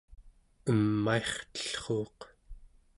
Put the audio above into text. emairtellruuq